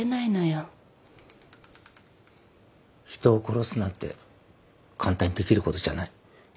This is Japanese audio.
人を殺すなんて簡単にできることじゃない。